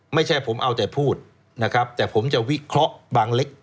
ไม่ใช่ผมเอาแต่พูดนะครับแต่ผมจะวิเคราะห์บางเล็ก